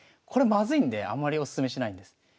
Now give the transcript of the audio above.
これまずいんであんまりおすすめしないんです。